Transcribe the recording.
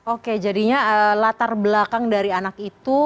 oke jadinya latar belakang dari anak itu